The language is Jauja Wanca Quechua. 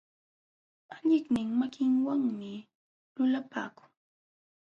Alliqnin makinwanmi lulapakun.